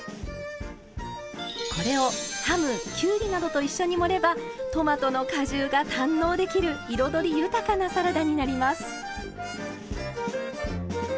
これをハムキュウリなどと一緒に盛ればトマトの果汁が堪能できる彩り豊かなサラダになります。